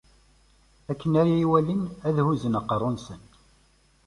Akken ara iyi-walin, ad huzzen aqerru-nsen.